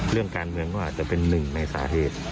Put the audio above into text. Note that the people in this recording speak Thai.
เรื่องการเมืองก็อาจจะเป็นหนึ่งในสาเหตุ